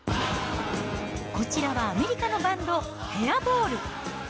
こちらはアメリカのバンド、ヘアボール。